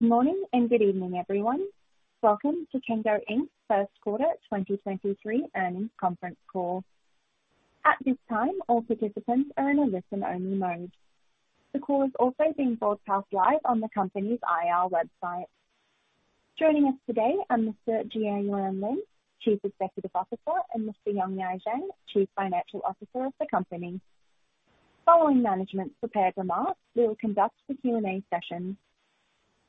Good morning, and good evening, everyone. Welcome to Cango Inc. Q1 2023 earnings conference call. At this time, all participants are in a listen-only mode. The call is also being broadcast live on the company's IR website. Joining us today are Mr. Jiayuan Lin, Chief Executive Officer, and Mr. Yongyi Zhang, Chief Financial Officer of the company. Following management's prepared remarks, we will conduct the Q&A session.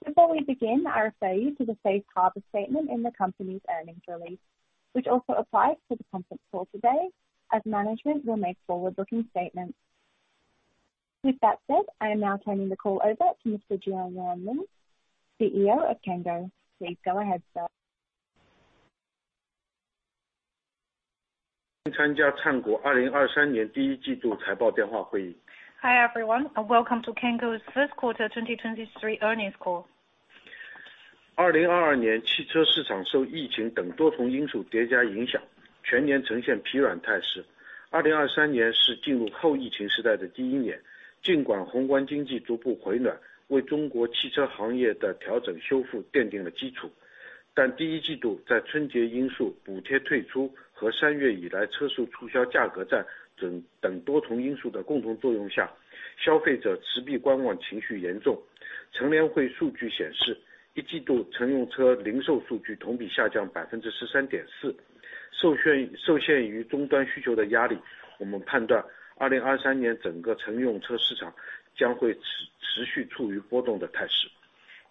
Before we begin, I refer you to the safe harbor statement in the company's earnings release, which also applies to the conference call today, as management will make forward-looking statements. With that said, I am now turning the call over to Mr. Jiayuan Lin, CEO of Cango. Please go ahead, sir. Hi, everyone, and welcome to Cango's Q1 2023 earnings call.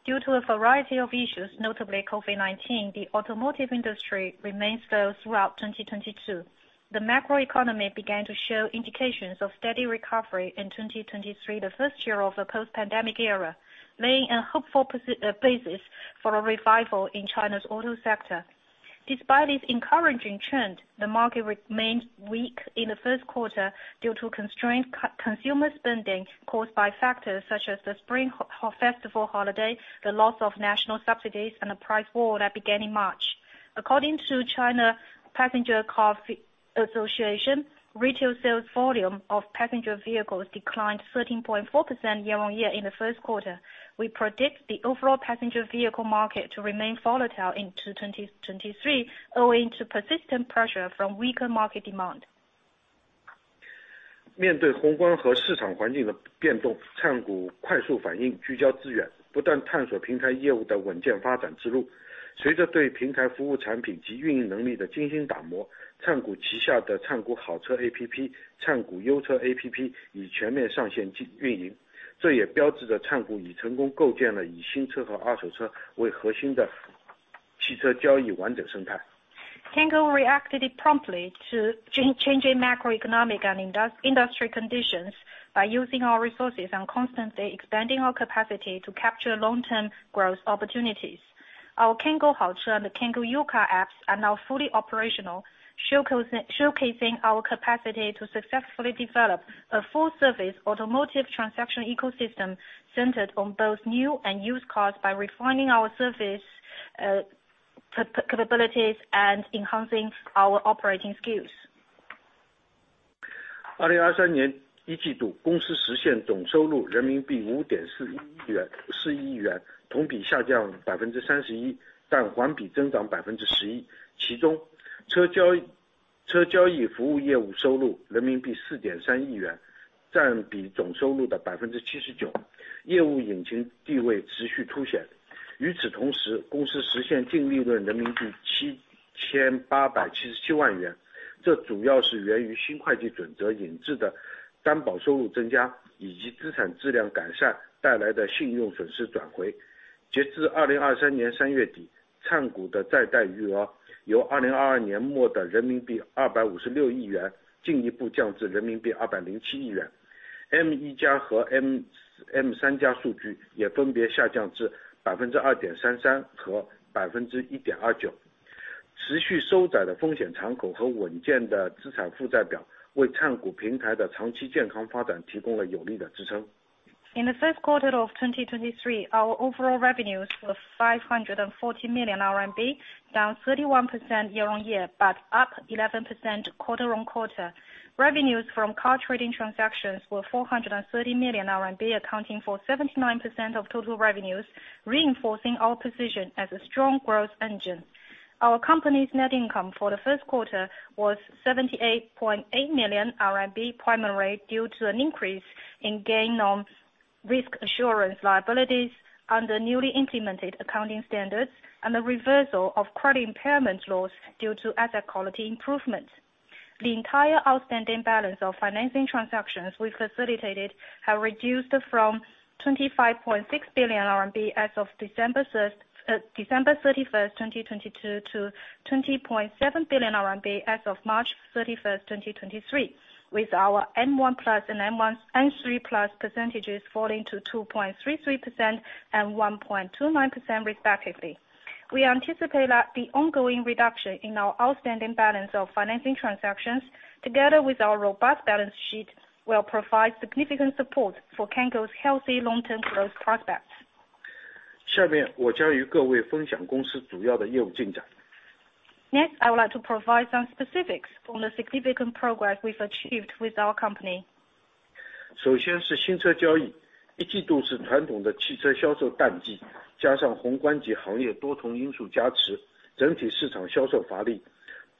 Due to a variety of issues, notably COVID-19, the automotive industry remained slow throughout 2022. The macroeconomy began to show indications of steady recovery in 2023, the first year of the post-pandemic era, laying a hopeful basis for a revival in China's auto sector. Despite this encouraging trend, the market remained weak in the Q1 due to constrained consumer spending caused by factors such as the Spring Festival holiday, the loss of national subsidies, and a price war that began in March. According to China Passenger Car Association, retail sales volume of passenger vehicles declined 13.4% year-on-year in the Q1. We predict the overall passenger vehicle market to remain volatile into 2023, owing to persistent pressure from weaker market demand. Cango reacted promptly to changing macroeconomic and industry conditions by using our resources and constantly expanding our capacity to capture long-term growth opportunities. Our Cango Haoche and the Cango U-Car apps are now fully operational, showcasing our capacity to successfully develop a full-service automotive transaction ecosystem centered on both new and used cars by refining our service capabilities and enhancing our operating skills. In the Q1 of 2023, our overall revenues were 540 million RMB, down 31% year-on-year, but up 11% Q2-on-Q2. Revenues from car trading transactions were 430 million RMB, accounting for 79% of total revenues, reinforcing our position as a strong growth engine. Our company's net income for the Q1 was 78.8 million RMB, primarily due to an increase in gain on risk assurance liabilities under newly implemented accounting standards and the reversal of credit impairment loss due to asset quality improvements. The entire outstanding balance of financing transactions we facilitated have reduced from 25.6 billion RMB as of December 1, 2022, to 20.7 billion RMB as of March 31, 2023, with our M1+ and M3+ percentages falling to 2.33% and 1.29% respectively. We anticipate that the ongoing reduction in our outstanding balance of financing transactions, together with our robust balance sheet, will provide significant support for Cango's healthy long-term growth prospects. I would like to provide some specifics on the significant progress we've achieved with our company.... 首先是新车交 易， Q1 是传统的汽车销售淡 季， 加上宏观及行业多重因素加 持， 整体市场销售乏力。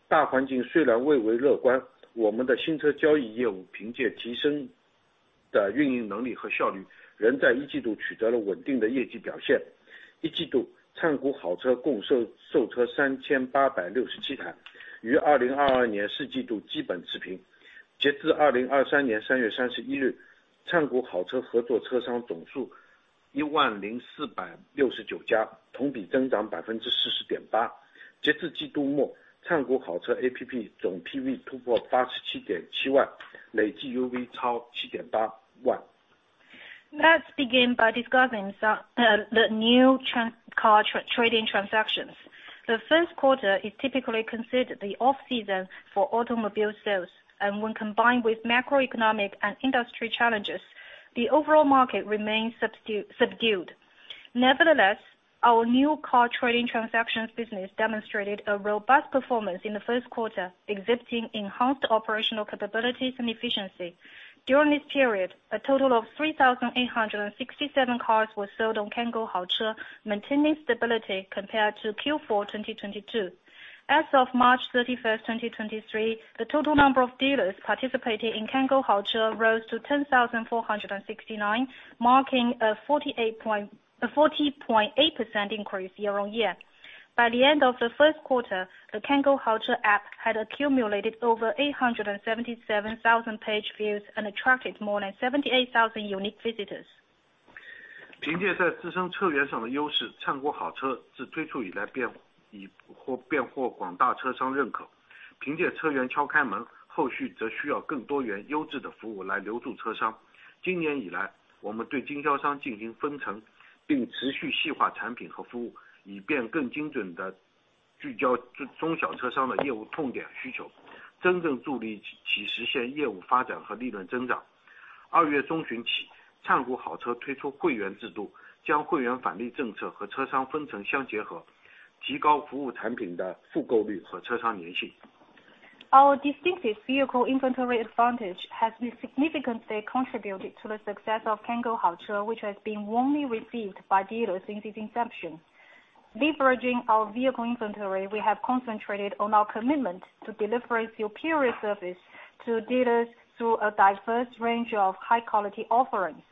大环境虽然未为乐 观， 我们的新车交易业务凭借提升的运营能力和效 率， 仍在 Q1 取得了稳定的业绩表现。Q1， Cango Haoche 共 售， 售车 3,867 台， 于2022 Q4 基本持平。截至 March 31, 2023， Cango Haoche 合作车商总数 10,469 家， 同比增长 40.8%。截至季度 末， Cango Haoche APP 总 PV 突破 877,000， 累计 UV 超 78,000。Let's begin by discussing some the new car trading transactions. The Q1 is typically considered the off-season for automobile sales, and when combined with macroeconomic and industry challenges, the overall market remains subdued. Nevertheless, our new car trading transactions business demonstrated a robust performance in the Q1, exhibiting enhanced operational capabilities and efficiency. During this period, a total of 3,867 cars were sold on Cango Haoche, maintaining stability compared to Q4 2022. As of March 31st, 2023, the total number of dealers participating in Cango Haoche rose to 10,469, marking a 40.8% increase year-over-year. By the end of the Q1, the Cango Haoche app had accumulated over 877,000 page views and attracted more than 78,000 unique visitors. 凭借在自身车源上的优 势， 灿谷好车自推出以 来， 便已 获， 便获广大车商认可。凭借车源敲开 门， 后续则需要更多元优质的服务来留住车商。今年以 来， 我们对经销商进行分 层， 并持续细化产品和服务，以便更精准地聚焦 中， 中小车商的业务痛点需 求， 真正助力 其， 实现业务发展和利润增长。二月中旬 起， 灿谷好车推出会员制 度， 将会员返利政策和车商分成相结 合， 提高服务产品的复购率和车商粘性。Our distinctive vehicle inventory advantage has been significantly contributed to the success of Cango Haoche, which has been warmly received by dealers since its inception. Leveraging our vehicle inventory, we have concentrated on our commitment to delivering superior service to dealers through a diverse range of high-quality offerings.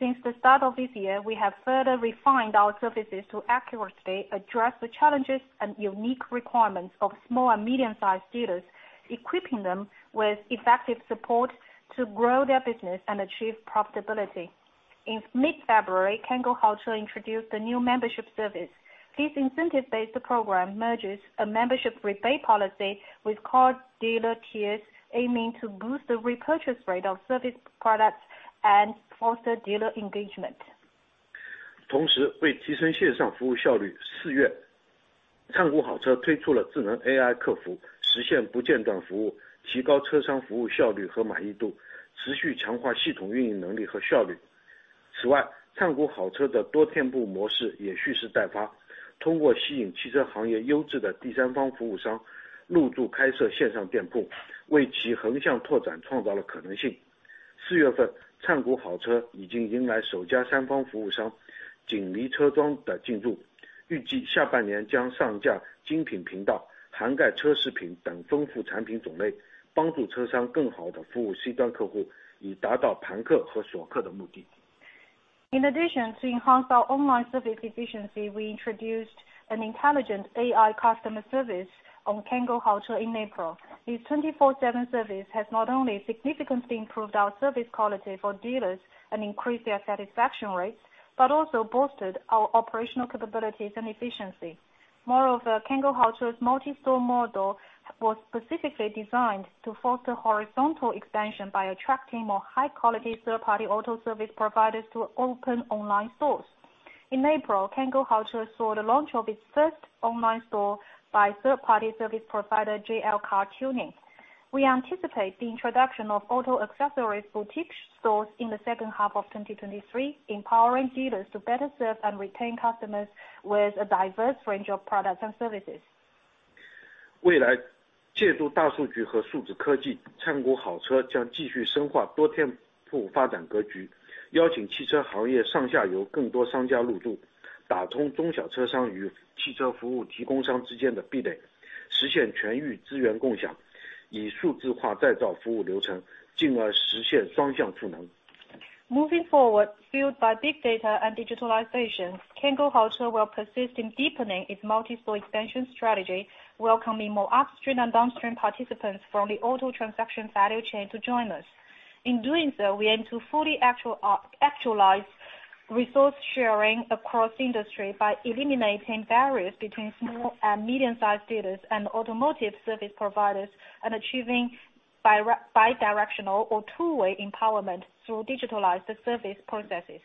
Since the start of this year, we have further refined our services to accurately address the challenges and unique requirements of small and medium-sized dealers, equipping them with effective support to grow their business and achieve profitability. In mid-February, Cango Haoche introduced a new membership service. This incentive-based program merges a membership rebate policy with core dealer tiers, aiming to boost the repurchase rate of service products and foster dealer engagement. 同 时， 为提升线上服务效 率， 四月灿谷好车推出了智能 AI 客 服， 实现不间断服 务， 提高车商服务效率和满意 度， 持续强化系统运营能力和效率。此 外， 灿谷好车的多店铺模式也蓄势待发，通过吸引汽车行业优质的第三方服务商入 驻， 开设线上店 铺， 为其横向拓展创造了可能性。四月 份， 灿谷好车已经迎来首家第三方服务 商， 锦梨车装的进 驻， 预计下半年将上架精品频 道， 涵盖车饰品等丰富产品种 类， 帮助车商更好地服务 C 端客 户， 以达到盘客和锁客的目的。In addition to enhance our online service efficiency, we introduced an intelligent AI customer service on Cango Haoche in April. This 24/7 service has not only significantly improved our service quality for dealers and increased their satisfaction rates, but also boosted our operational capabilities and efficiency. Cango Haoche's multi-store model was specifically designed to foster horizontal expansion by attracting more high-quality third-party auto service providers to open online stores. In April, Cango Haoche saw the launch of its first online store by third-party service provider JL Car Tuning. We anticipate the introduction of auto accessories boutique stores in the second half of 2023, empowering dealers to better serve and retain customers with a diverse range of products and services. 未 来， 借助大数据和数字科 技， 灿谷好车将继续深化多店铺发展格 局， 邀请汽车行业上下游更多商家入 驻， 打通中小车商与汽车服务提供商之间的壁 垒， 实现全域资源共 享， 以数字化再造服务流 程， 进而实现双向赋能。Moving forward, fueled by big data and digitalization, Cango Haoche will persist in deepening its multi-store expansion strategy, welcoming more upstream and downstream participants from the auto transaction value chain to join us. In doing so, we aim to fully actualize resource sharing across industry by eliminating barriers between small and medium-sized dealers and automotive service providers, and achieving bi-directional or two-way empowerment through digitalized service processes.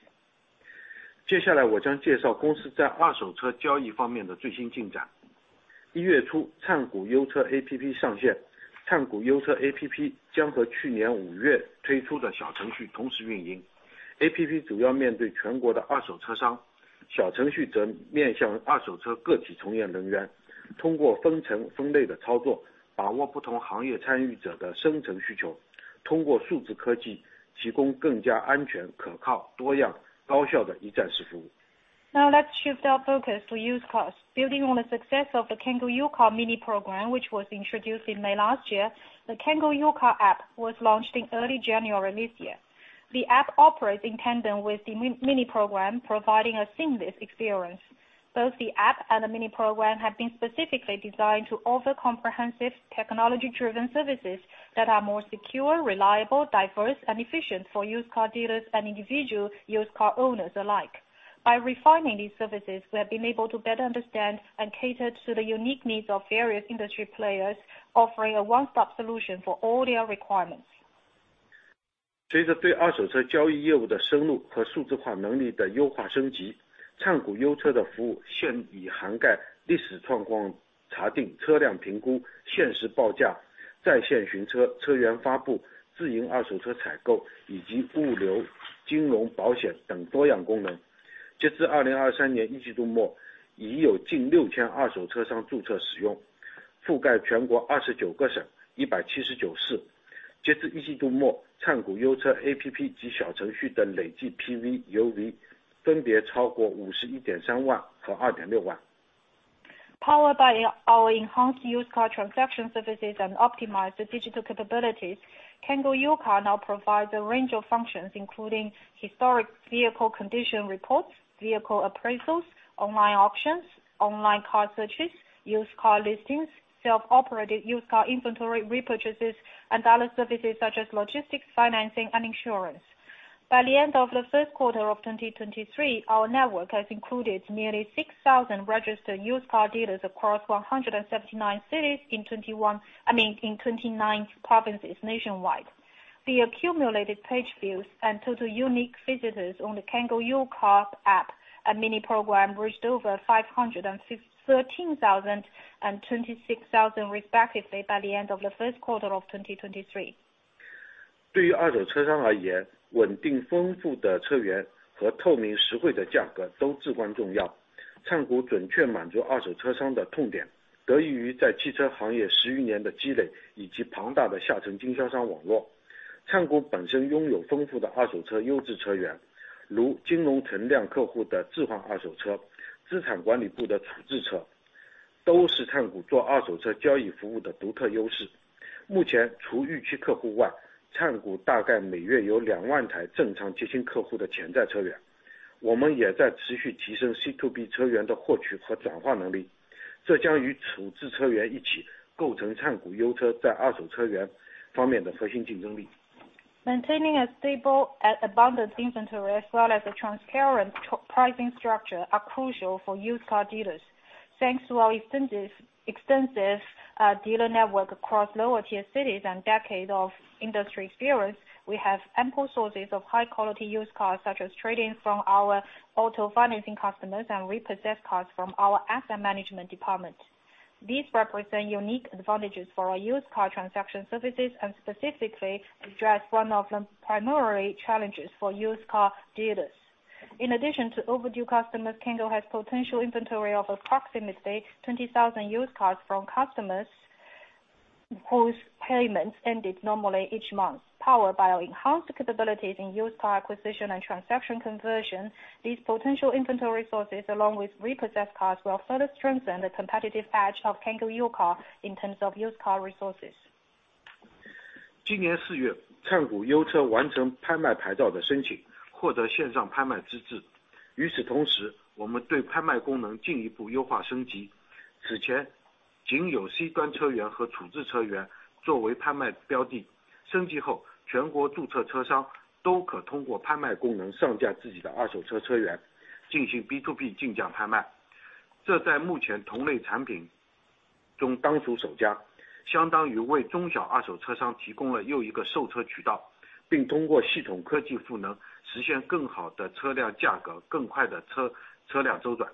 接下来我将介绍公司在二手车交易方面的最新进展。early January, Cango U-Car APP 上 线， Cango U-Car APP 将和去年 May 推出的小程序同时运营 ，APP 主要面对全国的二手车 商。... Small program 则面向二手车个体从业人 员， 通过分层分类的操作，把握不同行业参与者的生存需 求， 通过数字科技提供更加安全、可靠、多样、高效的一站式服务。Let's shift our focus to used cars. Building on the success of the Cango U-Car Mini Program, which was introduced in May last year, the Cango U-Car app was launched in early January this year. The app operates in tandem with the mini program, providing a seamless experience. Both the app and the mini program have been specifically designed to offer comprehensive, technology-driven services that are more secure, reliable, diverse, and efficient for used car dealers and individual used car owners alike. By refining these services, we have been able to better understand and cater to the unique needs of various industry players, offering a one-stop solution for all their requirements. 随着对二手车交易业务的深入和数字化能力的优化升 级， Cango U-Car 的服务现已涵盖历史状况查定、车辆评估、限时报价、在线询车、车源发布、自营二手车采 购， 以及物流、金融、保险等多样功能。截至2023年一季度 末， 已有近 6,000 二手车商注册使 用， 覆盖全国29个 省， 179 市。截至一季度 末， Cango U-Car APP 及小程序等累计 PV、UV 分别超过 513,000 和 26,000。Powered by our enhanced used car transaction services and optimized digital capabilities, Cango U-Car now provides a range of functions, including historic vehicle condition reports, vehicle appraisals, online auctions, online car searches, used car listings, self-operated used car inventory repurchases, and other services such as logistics, financing, and insurance. By the end of the Q1 of 2023, our network has included nearly 6,000 registered used car dealers across 179 cities in 21, I mean in 29 provinces nationwide. The accumulated page views and total unique visitors on the Cango U-Car app and Mini Program reached over 513,000 and 26,000, respectively, by the end of the Q1 of 2023. 对于二手车商而 言， 稳定丰富的车源和透明实惠的价格都至关重要。灿谷准确满足二手车商的痛 点， 得益于在汽车行业十余年的积 累， 以及庞大的下沉经销商网络。灿谷本身拥有丰富的二手车优质车 源， 如金融存量客户的置换二手 车， 资产管理部的厂制 车， 都是灿谷做二手车交易服务的独特优势。目 前， 除预期客户外，灿谷大概每月有两万台正常接新客户的潜在车 源， 我们也在持续提升 C2B 车源的获取和转化能 力， 这将与处置车源一起构成灿谷优车在二手车源方面的核心竞争力。Maintaining a stable and abundant inventory, as well as a transparent pricing structure, are crucial for used car dealers. Thanks to our extensive dealer network across lower-tier cities and decades of industry experience, we have ample sources of high-quality used cars, such as trading from our auto financing customers and repossessed cars from our asset management department. These represent unique advantages for our used car transaction services and specifically address one of the primary challenges for used car dealers. In addition to overdue customers, Cango has potential inventory of approximately 20,000 used cars from customers whose payments ended normally each month. Powered by our enhanced capabilities in used car acquisition and transaction conversion, these potential inventory sources, along with repossessed cars, will further strengthen the competitive edge of Cango Used Car in terms of used car resources. 今年4 月， Cango U-Car 完成拍卖牌照的申 请， 获得线上拍卖资质。与此同 时， 我们对拍卖功能进一步优化升级。此前仅有 C 端车源和处置车源作为拍卖标的。升级 后， 全国注册车商都可通过拍卖功能上架自己的二手车车 源， 进行 B2B 竞价拍 卖， 这在目前同类产品中当属首 家， 相当于为中小二手车商提供了又一个售车渠 道， 并通过系统科技赋 能， 实现更好的车辆价 格， 更快的车-车辆周转。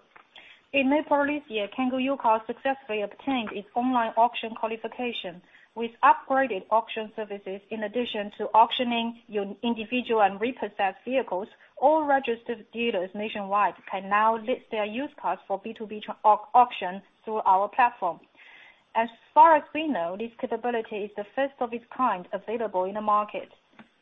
In April this year, Cango Used Car successfully obtained its online auction qualification. With upgraded auction services, in addition to auctioning individual and repossessed vehicles, all registered dealers nationwide can now list their used cars for B2B auctions through our platform. As far as we know, this capability is the first of its kind available in the market.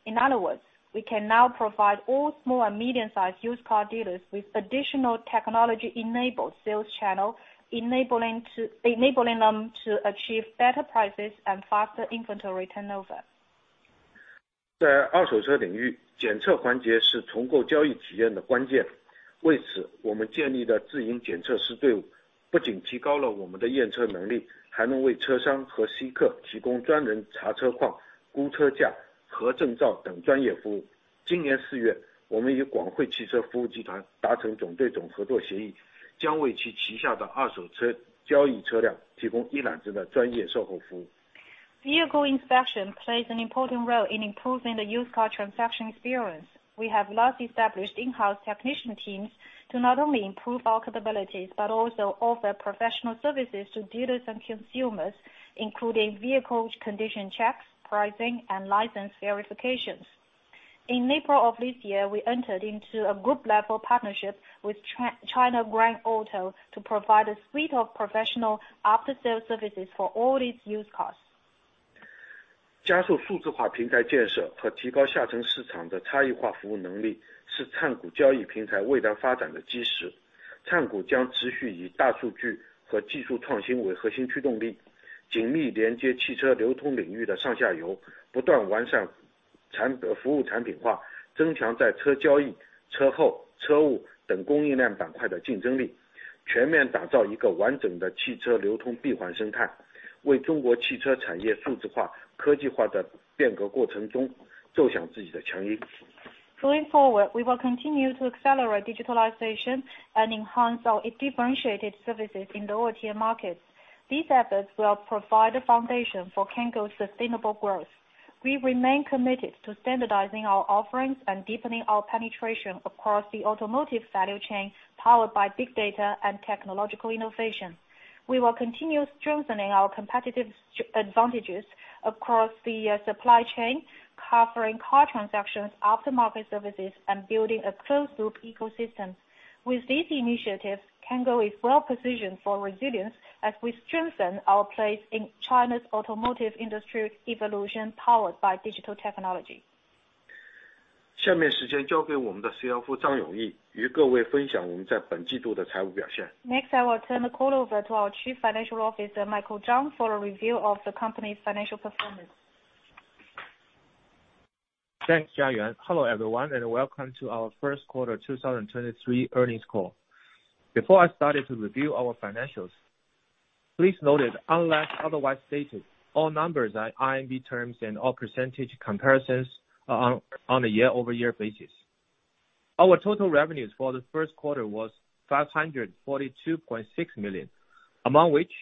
In other words, we can now provide all small and medium-sized used car dealers with additional technology-enabled sales channel, enabling them to achieve better prices and faster inventory turnover. 在二手车领 域， 检测环节是重构交易体验的关键。为 此， 我们建立了自营检测师队 伍， 不仅提高了我们的验车能 力， 还能为车商和 C 客提供专人查车况、估车价、核证照等专业服务。今年四 月， 我们与广汇汽车服务集团达成总对总合作协 议， 将为其旗下的二手车交易车辆提供一揽子的专业售后服务。Vehicle inspection plays an important role in improving the used car transaction experience. We have thus established in-house technician teams to not only improve our capabilities, but also offer professional services to dealers and consumers, including vehicle condition checks, pricing, and license verifications.... In April of this year, we entered into a group-level partnership with China Grand Auto to provide a suite of professional after-sales services for all its used cars. Going forward, we will continue to accelerate digitalization and enhance our differentiated services in the OTA markets. These efforts will provide a foundation for Cango's sustainable growth. We remain committed to standardizing our offerings and deepening our penetration across the automotive value chain, powered by big data and technological innovation. We will continue strengthening our competitive advantages across the supply chain, covering car transactions, aftermarket services, and building a closed-loop ecosystem. With these initiatives, Cango is well-positioned for resilience as we strengthen our place in China's automotive industry evolution, powered by digital technology. Next, I will turn the call over to our Chief Financial Officer, Michael Zhang, for a review of the company's financial performance. Thanks, Jiayuan. Hello, everyone, and welcome to our Q1 2023 earnings call. Before I start to review our financials, please note that unless otherwise stated, all numbers are RMB terms and all percentage comparisons are on a year-over-year basis. Our total revenues for the Q1 was 542.6 million, among which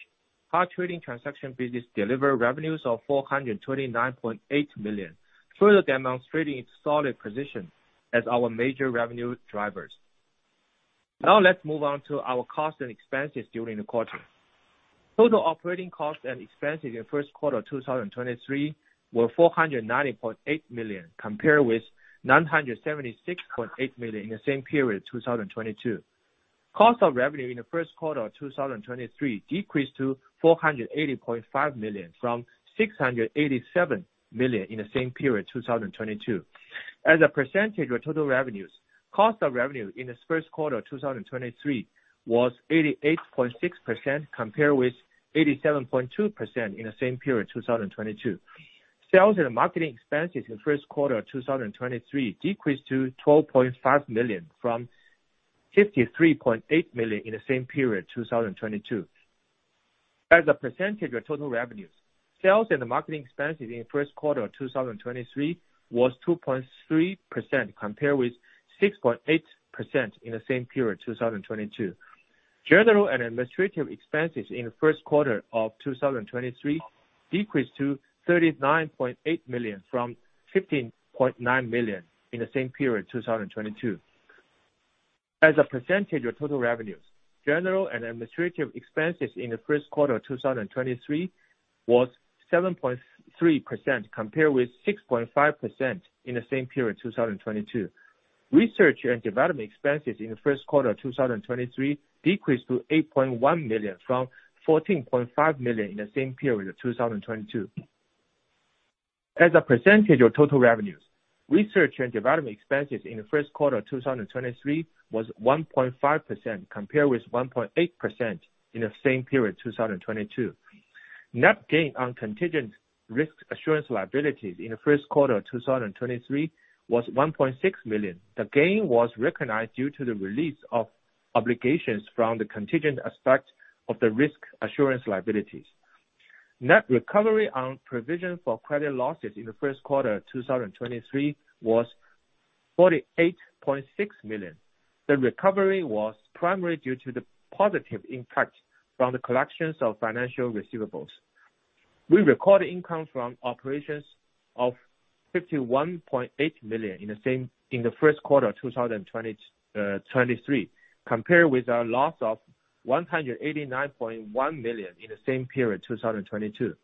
our trading transaction business delivered revenues of 429.8 million, further demonstrating its solid position as our major revenue drivers. Let's move on to our costs and expenses during the Q2. Total operating costs and expenses in the Q1 of 2023 were 490.8 million, compared with 976.8 million in the same period, 2022. Cost of revenue in the Q1 of 2023 decreased to $480.5 million from $687 million in the same period, 2022. As a percentage of total revenues, cost of revenue in this Q1 of 2023 was 88.6%, compared with 87.2% in the same period, 2022. Sales and marketing expenses in the Q1 of 2023 decreased to $12.5 million from $53.8 million in the same period, 2022. As a percentage of total revenues, sales and marketing expenses in the Q1 of 2023 was 2.3%, compared with 6.8% in the same period, 2022. General and administrative expenses in the Q1 of 2023 decreased to 39.8 million from 15.9 million in the same period, 2022. As a percentage of total revenues, general and administrative expenses in the Q1 of 2023 was 7.3%, compared with 6.5% in the same period, 2022. Research and development expenses in the Q1 of 2023 decreased to 8.1 million from 14.5 million in the same period of 2022. As a percentage of total revenues, research and development expenses in the Q1 of 2023 was 1.5%, compared with 1.8% in the same period, 2022. Net gain on contingent risk assurance liabilities in the Q1 of 2023 was 1.6 million. The gain was recognized due to the release of obligations from the contingent aspect of the risk assurance liabilities. Net recovery on provision for credit losses in the Q1 of 2023 was 48.6 million. The recovery was primarily due to the positive impact from the collections of financial receivables. We recorded income from operations of 51.8 million in the Q1 of 2023, compared with our loss of 189.1 million in the same period, 2022.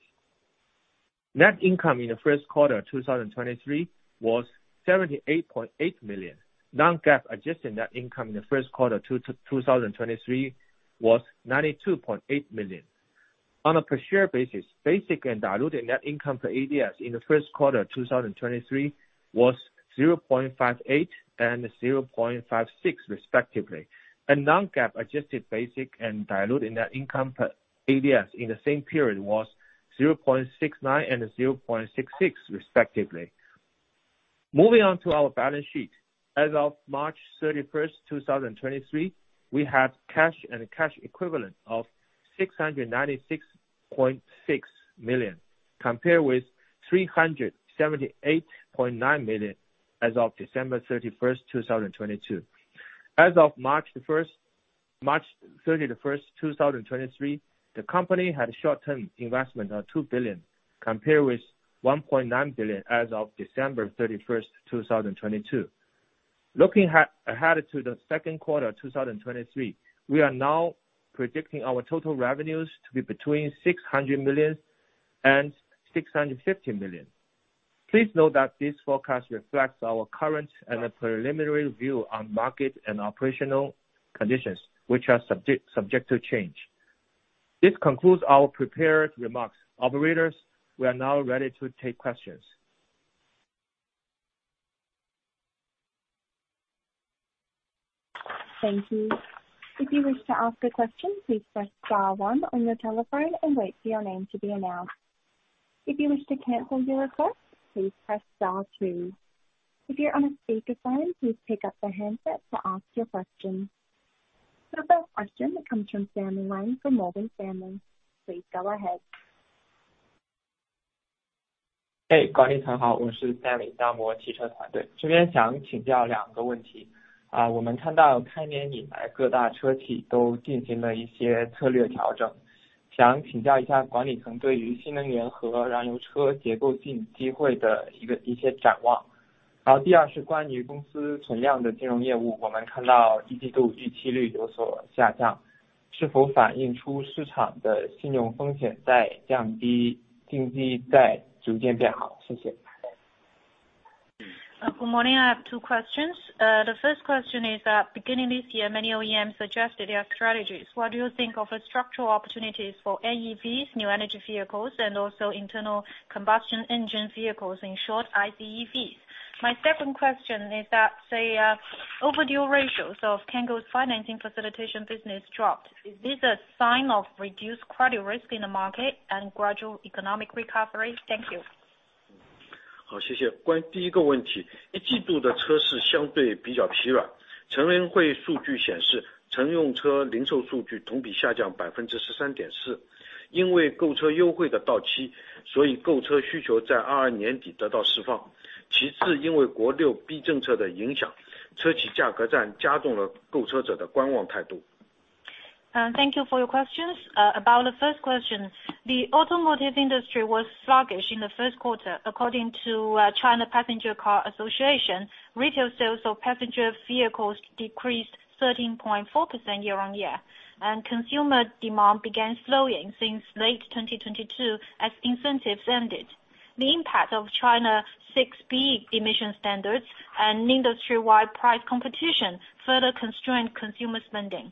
Net income in the Q1 of 2023 was 78.8 million. Non-GAAP adjusted net income in the Q1 of 2023 was $92.8 million. On a per share basis, basic and diluted net income per ADS in the Q1 of 2023 was $0.58 and $0.56, respectively, and Non-GAAP adjusted basic and diluted net income per ADS in the same period was $0.69 and $0.66, respectively. Moving on to our balance sheet. As of March 31st, 2023, we have cash and cash equivalent of $696.6 million, compared with $378.9 million as of December 31st, 2022. As of March 31, 2023, the company had a short-term investment of 2 billion, compared with 1.9 billion as of December 31, 2022. ...Looking ahead to the Q1, 2023, we are now predicting our total revenues to be between 600 million and 650 million. Please note that this forecast reflects our current and a preliminary view on market and operational conditions, which are subject to change. This concludes our prepared remarks. Operators, we are now ready to take questions. Thank you. If you wish to ask a question, please press star one on your telephone and wait for your name to be announced. If you wish to cancel your request, please press star two. If you're on a speakerphone, please pick up the handset to ask your question. The first question comes from Stanley Wang from Morgan Stanley. Please go ahead. Hey, 管理层 好， 我是 Stanley， 摩根汽车团队。这边想请教两个问题。uh， 我们看到开年以 来， 各大车企都进行了一些策略调 整， 想请教一下管理层对于新能源和燃油车结构性机会的一 个， 一些展望。好， 第二是关于公司存量的金融业 务， 我们看到一季度预期率有所下 降， 是否反映出市场的信用风险在降 低， 经济在逐渐变 好？ 谢谢。Good morning. I have two questions. The first question is that beginning this year, many OEMs suggested their strategies. What do you think of the structural opportunities for NEVs, new energy vehicles, and also internal combustion engine vehicles, in short, ICEVs? My second question is that the overdue ratios of Cango's financing facilitation business dropped. Is this a sign of reduced credit risk in the market and gradual economic recovery? Thank you. 好， 谢谢。关于第一个问 题， 一季度的车市相对比较疲 软， 成员会数据显 示， 乘用车零售数据同比下降百分之十三点 四， 因为购车优惠的到 期， 所以购车需求在二年底得到释放。其 次， 因为国六 B 政策的影 响， 车企价格战加重了购车者的观望态度。Thank you for your questions. About the first question, the automotive industry was sluggish in the Q1. According to China Passenger Car Association, retail sales of passenger vehicles decreased 13.4% year on year, and consumer demand began slowing since late 2022 as incentives ended. The impact of China 6b emission standards and industry-wide price competition further constrained consumer spending.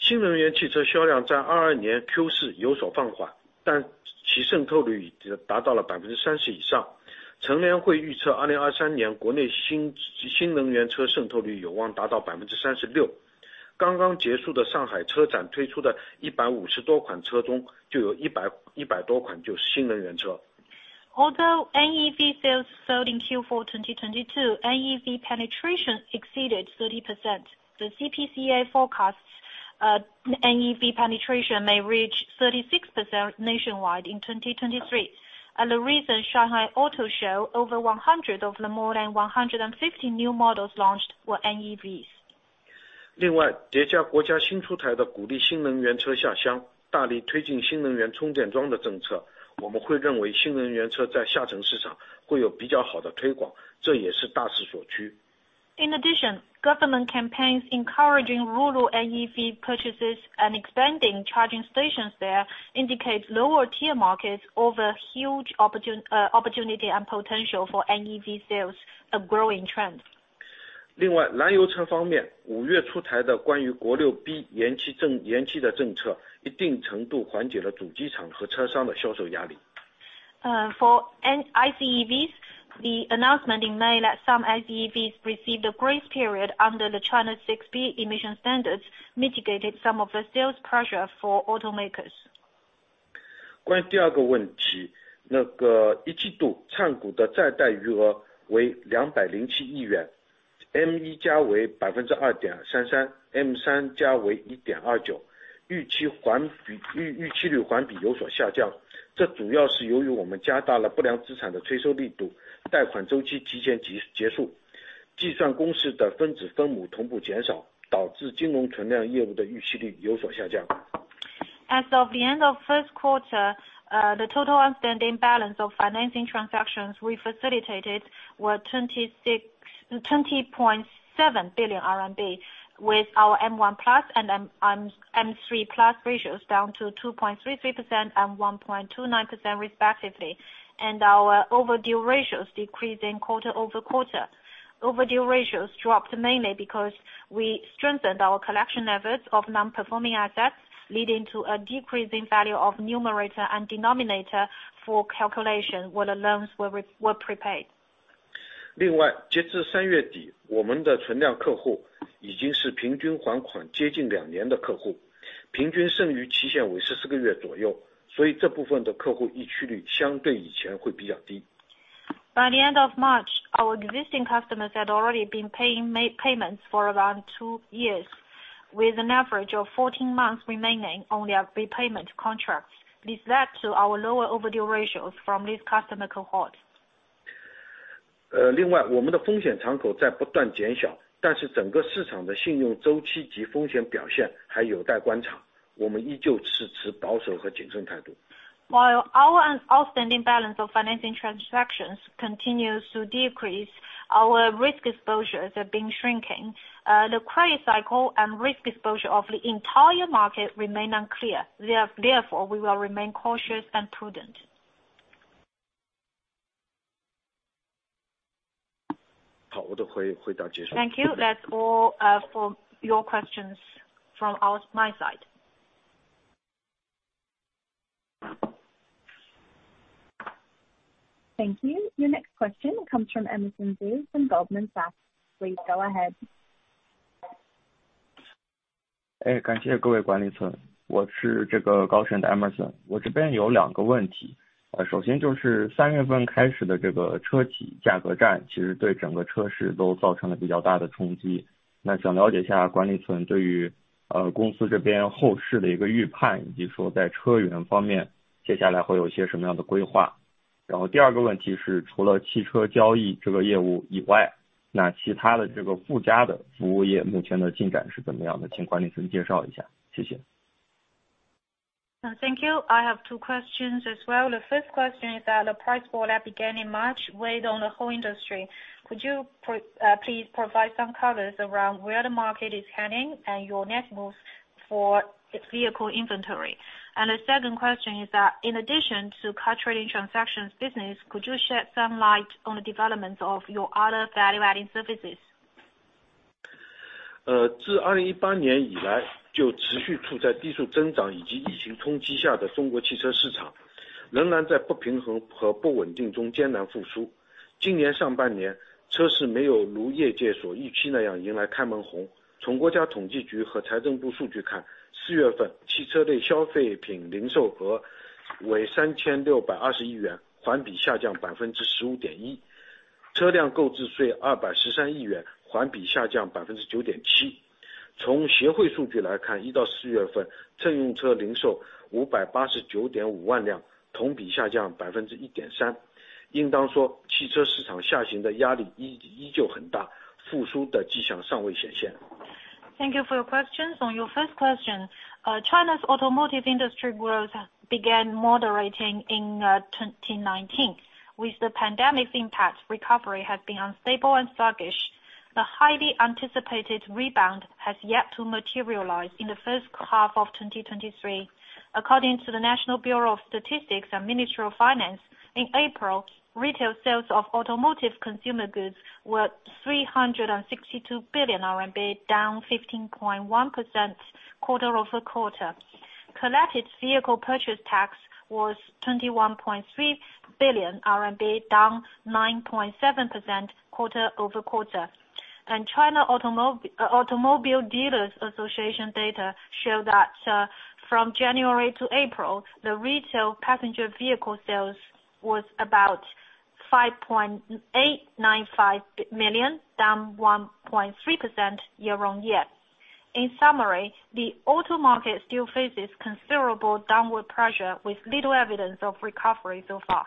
新能源汽车销量在二二年 Q 四有所放 缓， 但其渗透率已达到了百分之三十以上。成员会预 测， 二零二三年国内 新， 新能源车渗透率有望达到百分之三十六。刚刚结束的上海车 展， 推出的一百五十多款车 中， 就有一 百， 一百多款就是新能源车。Although NEV sales slowed in Q4, 2022, NEV penetration exceeded 30%. The CPCA forecasts NEV penetration may reach 36% nationwide in 2023. The recent Shanghai Auto Show, over 100 of the more than 150 new models launched were NEVs. 叠加国家新出台的鼓励新能源车下 乡， 大力推进新能源充电桩的政 策， 我们会认为新能源车在下沉市场会有比较好的推 广， 这也是大势所趋。Government campaigns encouraging rural NEV purchases and expanding charging stations there indicates lower-tier markets offer huge opportunity and potential for NEV sales, a growing trend. 燃油车方 面， 五月出台的关于 国六B 延期的政 策， 一定程度缓解了主机厂和车商的销售压力。For ICEVs, the announcement in May that some ICEVs received a grace period under the China 6b emission standards mitigated some of the sales pressure for automakers. 关于第二个问 题， 那个一季度 Cango 的在贷余额为 20.7 billion RMB，M1+ 为 2.33%，M3+ 为 1.29%， 预期环 比， 预期率环比有所下 降， 这主要是由于我们加大了不良资产的催收力度，贷款周期提前结 束， 计算公式的分子分母同步减 少， 导致金融存量业务的预期率有所下降。As of the end of Q1, the total outstanding balance of financing transactions we facilitated were 20.7 billion RMB, with our M1 plus and M3 plus ratios down to 2.33% and 1.29% respectively, and our overdue ratios decreasing quarter-over-quarter. Overdue ratios dropped mainly because we strengthened our collection efforts of non-performing assets, leading to a decrease in value of numerator and denominator for calculation where the loans were prepaid. 另 外， 截至三月 底， 我们的存量客户已经是平均还款接近两年的客 户， 平均剩余期限为十四个月左 右， 所以这部分的客户溢缺率相对以前会比较低。By the end of March, our existing customers had already been paying payments for around 2 years, with an average of 14 months remaining on their repayment contracts. This led to our lower overdue ratios from this customer cohort. 呃， 另 外， 我们的风险敞口在不断减 小， 但是整个市场的信用周期及风险表现还有待观察，我们依旧是持保守和谨慎态度。While our outstanding balance of financing transactions continues to decrease, our risk exposures have been shrinking. The credit cycle and risk exposure of the entire market remain unclear. Therefore, we will remain cautious and prudent. Thank you. That's all for your questions from my side. Thank you. Your next question comes from Emerson Zhu from Goldman Sachs. Please go ahead. Thank you, 国有管理层。我是这个高盛的 Emerson， 我这边有两个问题。首先就是三月份开始的这个车企价格 战， 其实对整个车市都造成了比较大的冲击。想了解一下管理层对于公司这边后市的一个预 判， 以及说在车源方面接下来会有一些什么样的规 划？ 第二个问题 是， 除了汽车交易这个业务以 外， 其他的这个附加的服务业目前的进展是怎么样 的？ 请管理层介绍一下。谢谢。Thank you. I have two questions as well. The first question is that the price war that began in March weighed on the whole industry. Could you please provide some colors around where the market is heading and your next moves for its vehicle inventory? The second question is that, in addition to car trading transactions business, could you shed some light on the developments of your other value-adding services? 自2018年 以来，就 持续处在低速增长以及疫情冲击下的 China auto market, 仍然在不平衡和不稳定中艰难 复苏. 今年 上半年，车市 没有如业界所预期那样迎来 开门红. 从 National Bureau of Statistics 和 Ministry of Finance 数据 看，April 份汽车类消费品零售额为 RMB 362 billion, 环比下降 15.1%, 车辆购置税 RMB 21.3 billion, 环比下降 9.7%. 从协会数据 来看，January 到 April 份，乘用车 零售 5.895 million units, 同比下降 1.3%. 应当说汽车市场下行的压力依旧 很大，复苏 的迹象尚未 显现. Thank you for your questions. On your first question, China's automotive industry growth began moderating in 2019. With the pandemic's impact, recovery has been unstable and sluggish. The highly anticipated rebound has yet to materialize in the first half of 2023. According to the National Bureau of Statistics and Ministry of Finance, in April, retail sales of automotive consumer goods were 362 billion RMB, down 15.1% quarter-over-quarter. Collected vehicle purchase tax was 21.3 billion RMB, down 9.7% quarter-over-quarter. China Automobile Dealers' Association data show that from January to April, the retail passenger vehicle sales was about 5.895 million, down 1.3% year-on-year. In summary, the auto market still faces considerable downward pressure, with little evidence of recovery so far.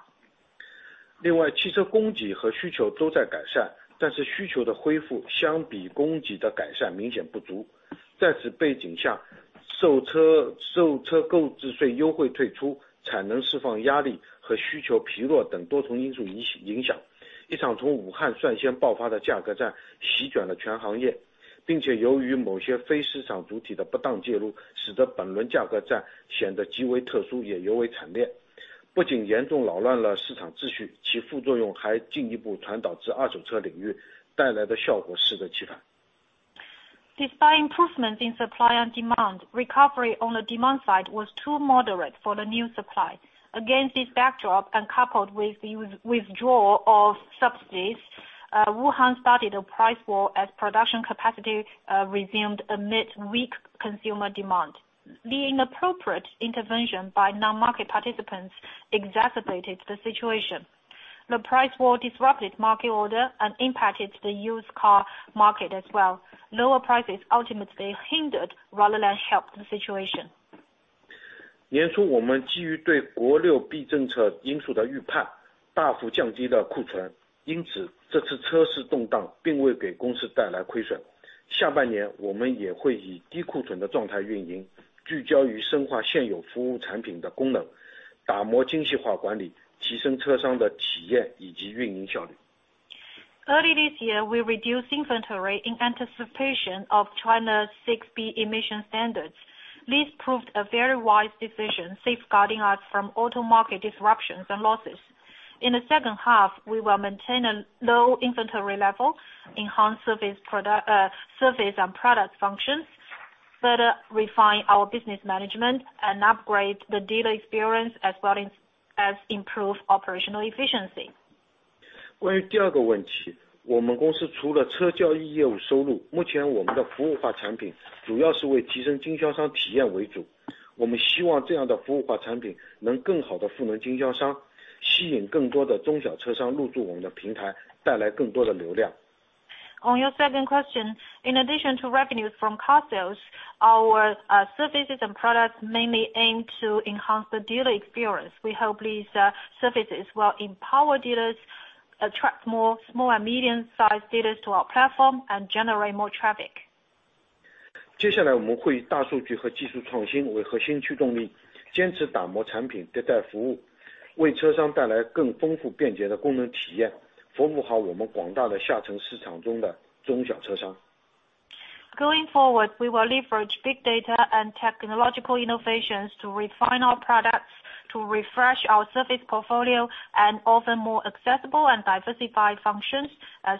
另 外,汽 车供给和需求都在改 善,但 是需求的恢复相比供给的改善明显不 足.在 此背景 下,售 车,售 车购置税优惠退出、产能释放压力和需求疲弱等多重因素影 响,一 场从武汉率先爆发的价格战席卷了全行 业.并 且由于某些非市场主体的不当介 入,使 得本轮价格战显得极为特 殊,也 尤为惨 烈.不 仅严重扰乱了市场秩 序,其 副作用还进一步传导至二手车领 域,带 来的效果适得其 反. Despite improvements in supply and demand, recovery on the demand side was too moderate for the new supply. Against this backdrop, and coupled with the withdrawal of subsidies, Wuhan started a price war as production capacity resumed amid weak consumer demand. The inappropriate intervention by non-market participants exacerbated the situation. The price war disrupted market order and impacted the used car market as well. Lower prices ultimately hindered rather than helped the situation. 年 初, 我们基于对国六 B 政策因素的预 判, 大幅降低了库 存, 因此这次车市动荡并未给公司带来亏 损. 下半年我们也会以低库存的状态运 营, 聚焦于深化现有服务产品的功 能, 打磨精细化管 理, 提升车商的体验以及运营效 率. Early this year, we reduced inventory in anticipation of China's 6b emission standards. This proved a very wise decision, safeguarding us from auto market disruptions and losses. In the second half, we will maintain a low inventory level, enhance service and product functions, further refine our business management, and upgrade the dealer experience as well as improve operational efficiency. 关于第二个问 题， 我们公司除了车交易业务收 入， 目前我们的服务化产品主要是为提升经销商体验为 主， 我们希望这样的服务化产品能更好地赋能经销 商， 吸引更多的中小车商入驻我们的平 台， 带来更多的流量。On your second question, in addition to revenues from car sales, our services and products mainly aim to enhance the dealer experience. We hope these services will empower dealers, attract more small and medium-sized dealers to our platform, and generate more traffic.... 接下来我们会以大数据和技术创新为核心驱动 力， 坚持打磨产品的代服 务， 为车商带来更丰富便捷的功能体 验， 服务好我们广大的下沉市场中的中小车商。Going forward, we will leverage big data and technological innovations to refine our products, to refresh our service portfolio, and offer more accessible and diversified functions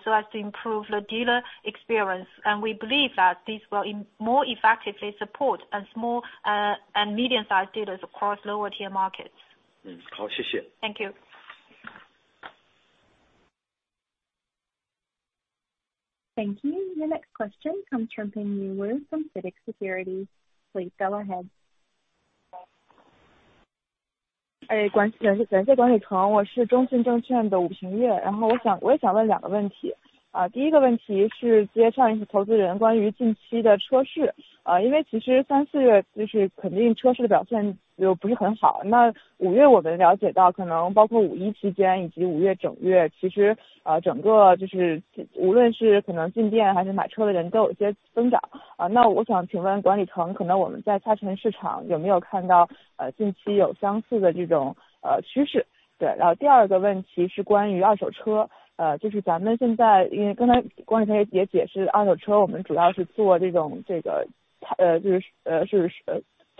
so as to improve the dealer experience. We believe that these will more effectively support and small and medium-sized dealers across lower-tier markets. 好, 谢谢. Thank you! Thank you. Your next question comes from Wu Pingyue from CITIC Securities. Please go ahead. 哎， 感 谢， 感谢管理 层， 我是中信证券的吴平 月， 然后我想我也想问两个问 题， 啊， 第一个问题是接上一位投资人关于近期的车 市， 啊， 因为其实三、四月就是肯定车市的表现也不是很 好， 那五月我们了解 到， 可能包括五一期间以及五月整 月， 其实 啊， 整个就是无论是可能进店还是买车的人都有一些增长。啊， 那我想请问管理 层， 可能我们在下沉市场有没有看 到， 呃， 近期有相似的这 种， 呃， 趋 势？ 对， 然后第二个问题是关于二手 车， 呃， 就是咱们现 在， 因为刚才管理层也解释二手车我们主要是做这 种， 这 个， 呃， 就是，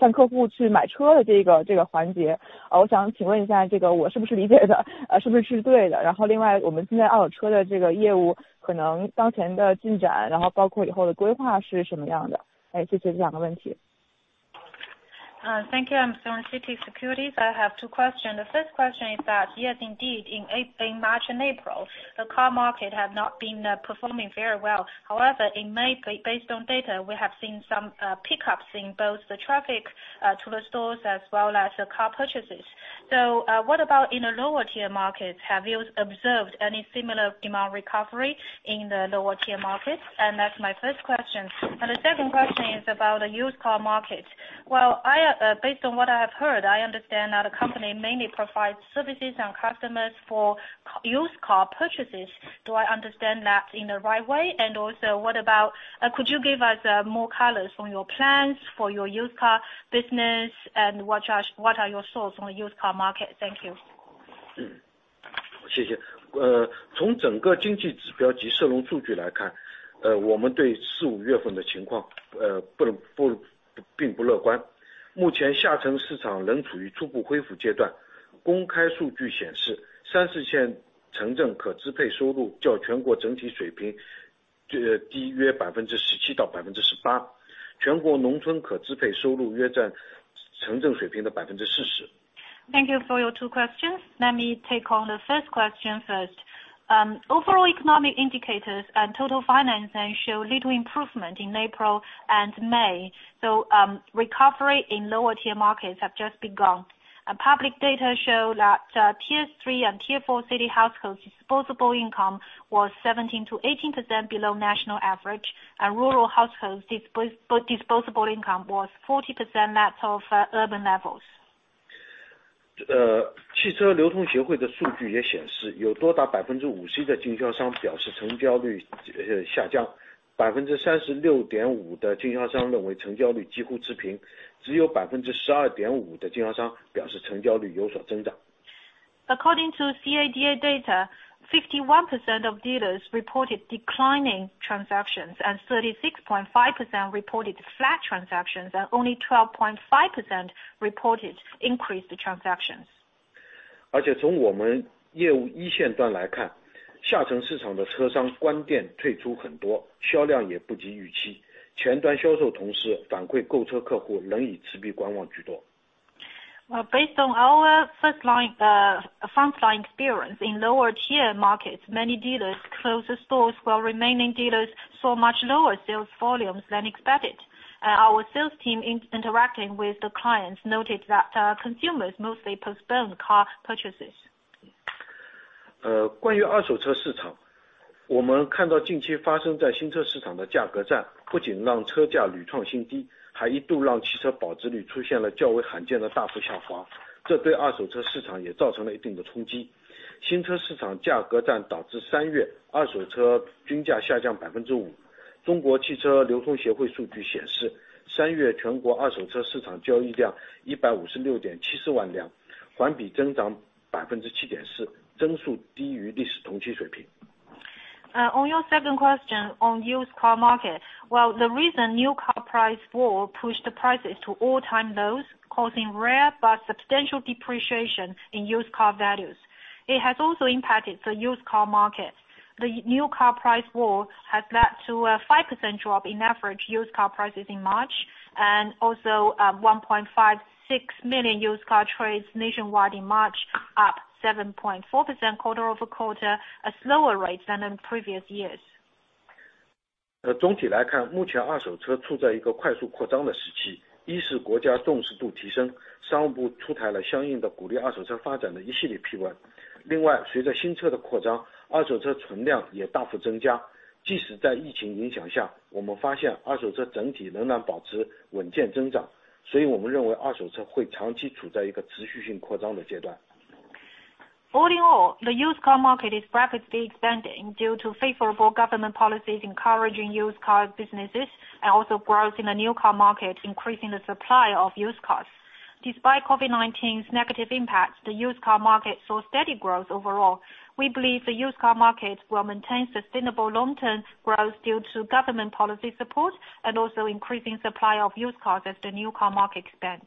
呃， 是 呃， 带客户去买车的这 个， 这个环节。呃， 我想请问一 下， 这个我是不是理解 的， 呃， 是不是是对 的？ 然后另外我们现在二手车的这个业务可能当前的进 展， 然后包括以后的规划是什么样 的？ 哎， 谢谢这两个问题。Thank you. I'm from CITIC Securities. I have two questions. The first question is that, yes, indeed, in March and April, the car market had not been performing very well. However, in May, based on data, we have seen some pickups in both the traffic to the stores as well as the car purchases. What about in the lower-tier markets? Have you observed any similar demand recovery in the lower-tier markets? That's my first question. The second question is about the used car market. Well, based on what I have heard, I understand that the company mainly provides services and customers for used car purchases. Do I understand that in the right way? Also what about, could you give us more colors on your plans for your used car business? What are your thoughts on the used car market? Thank you. 嗯， 谢谢。呃， 从整个经济指标及涉农数据来 看， 呃， 我们对四五月份的情 况， 呃， 不 能， 不-并不乐观。目前下沉市场仍处于初步恢复阶段。公开数据显 示， 三四线城镇可支配收入较全国整体水平较 低， 约百分之十七到百分之十 八， 全国农村可支配收入约占城镇水平的百分之四十。Thank you for your two questions. Let me take on the first question first. Overall economic indicators and total financing show little improvement in April and May. Recovery in lower-tier markets have just begun, and public data show that tiers three and tier four city households disposable income was 17%-18% below national average, and rural households disposable income was 40% that of urban levels. 呃， 汽车流通协会的数据也显 示， 有多达百分之五十一的经销商表示成交率 呃， 下 降， 百分之三十六点五的经销商认为成交率几乎持 平， 只有百分之十二点五的经销商表示成交率有所增长。According to CADA data, 51% of dealers reported declining transactions, and 36.5% reported flat transactions, and only 12.5% reported increased transactions. 而且从我们业务一线端来 看， 下沉市场的车商关店退出很 多， 销量也不及预期。前端销售同时反 馈， 购车客户仍以持币观望居多。Based on our first line, front line experience in lower tier markets, many dealers close the stores, while remaining dealers so much lower sales volumes than expected. Our sales team, in interacting with the clients, noted that consumers mostly postpone car purchases. 呃， 关于二手车市 场， 我们看到近期发生在新车市场的价格 战， 不仅让车价屡创新低，还一度让汽车保值率出现了较为罕见的大幅下 滑， 这对二手车市场也造成了一定的冲击。新车市场价格战导致三月二手车均价下降百分之五。中国汽车流通协会数据显 示， 三月全国二手车市场交易量一百五十六点七十万 辆， 环比增长百分之七点 四， 增速低于历史同期水平。On your second question on used car market. Well, the reason new car price war pushed the prices to all-time lows, causing rare but substantial depreciation in used car values. It has also impacted the used car market. The new car price war has led to a 5% drop in average used car prices in March, and also, 1.56 million used car trades nationwide in March, up 7.4% quarter-over-quarter, a slower rate than in previous years. 总体来 看， 目前二手车处在一个快速扩张的时 期. 一是国家重视度提 升， 商务部出台了相应的鼓励二手车发展的一系列批 文. 随着新车的扩 张， 二手车存量也大幅增 加. 即使在 COVID-19 影响 下， 我们发现二手车整体仍然保持稳健增 长. 我们认为二手车会长期处在一个持续性扩张的阶 段. All in all, the used car market is rapidly expanding due to favorable government policies encouraging used car businesses and also growth in the new car market, increasing the supply of used cars. Despite COVID-19's negative impacts, the used car market saw steady growth overall. We believe the used car market will maintain sustainable long-term growth due to government policy support and also increasing supply of used cars as the new car market expands.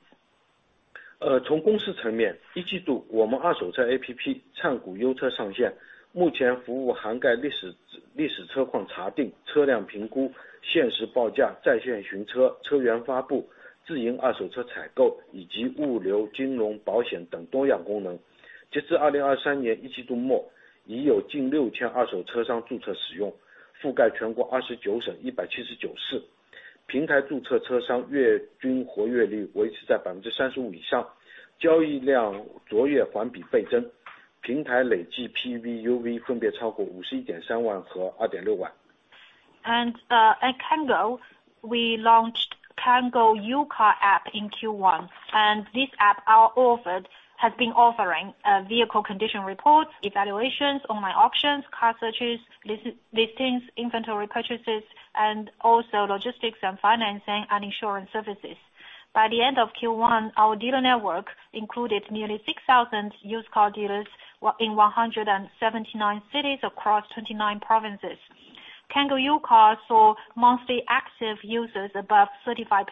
From company side, in Q1, our second-hand car APP, Cango U-Car, was launched. Currently, the service covers historical vehicle history queries, vehicle assessments, real-time pricing, online car searches, vehicle listing, self-operated second-hand car purchases, as well as logistics, finance, insurance, and other functions. As of the end of Q1 2023, there are nearly 6,000 second-hand car dealers registered and using the platform, covering 29 provinces and 179cities across the country. The platform's registered dealers have an monthly active rate of more than 35%, with transaction volumes doubling month-from-monthly from January, and also 513,000 accumulated page views and 26,000 total unique visitors. At Cango, we launched Cango U-Car app in Q1, and this app has been offering vehicle condition reports, evaluations, online auctions, car searches, listings, inventory purchases, and also logistics and financing, and insurance services. By the end of Q1, our dealer network included nearly 6,000 used car dealers in 179 cities across 29 provinces. Cango U-Car saw monthly active users above 35%,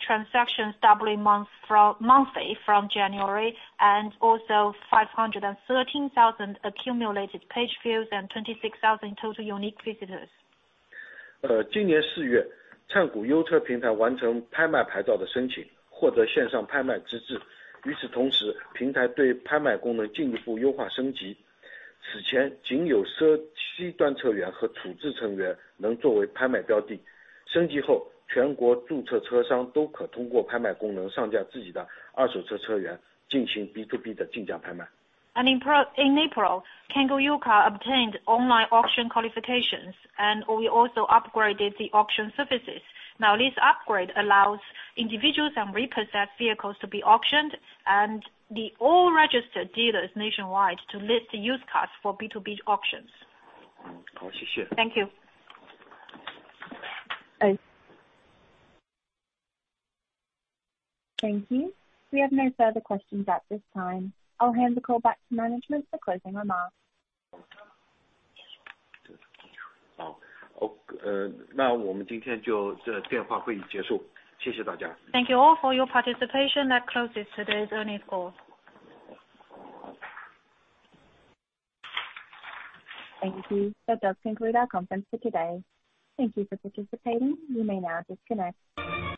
transactions doubling monthly from January, and also 513,000 accumulated page views and 26,000 total unique visitors. In April this year, the Cango Used Car platform completed the application for auction licensing and obtained online auction qualifications. At the same time, the platform further optimized and upgraded its auction functions. Previously, only end-of-life vehicles and seized vehicles could be listed as auction items. After the upgrade, all registered dealers nationwide can use the auction function to list their second-hand vehicles for B2B competitive bidding auctions. In April, Cango U-Car obtained online auction qualifications, and we also upgraded the auction services. Now, this upgrade allows individuals and repossessed vehicles to be auctioned, and all registered dealers nationwide to list the used cars for B2B auctions. Thank you. Thank you. Thank you. We have no further questions at this time. I'll hand the call back to management for closing remarks. That concludes today's telephone conference. Thank you, everyone. Thank you all for your participation. That closes today's earnings call. Thank you. That does conclude our conference for today. Thank you for participating. You may now disconnect.